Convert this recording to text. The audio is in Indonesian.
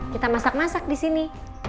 kita masak masak disini